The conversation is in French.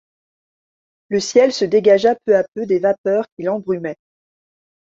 Le ciel se dégagea peu à peu des vapeurs qui l’embrumaient.